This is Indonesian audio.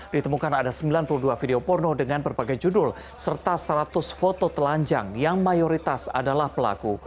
ditemukan ada sembilan puluh dua video porno dengan berbagai judul serta seratus foto telanjang yang mayoritas adalah pelaku